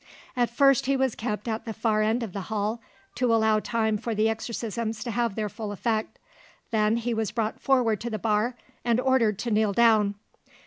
At first he was kept at the far end of the hall, to allow time for the exorcisms to have their full effect, then he was brought forward to the bar and ordered to kneel down.